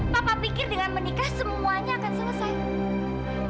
papa pikir dengan menikah semuanya akan selesai